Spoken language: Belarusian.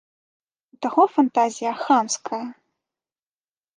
У таго фантазія хамская!